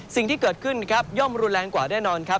สิ่งที่เกิดขึ้นครับย่อมรุนแรงกว่าแน่นอนครับ